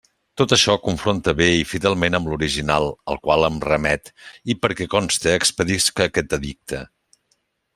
Tot això confronta bé i fidelment amb l'original al qual em remet i, perquè conste, expedisc aquest edicte.